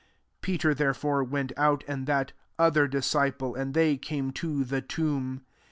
3 Peter, therefore, went out, and that other disciple ; and they came to the tomb.